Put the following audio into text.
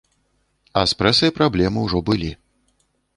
А з прэсай праблемы ўжо былі.